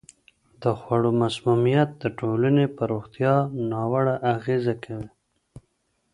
د خوړو مسمومیت د ټولنې په روغتیا ناوړه اغېزه کوي.